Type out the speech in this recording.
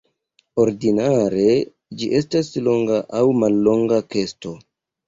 Ordinare ĝi estas longa aŭ mallonga kesto.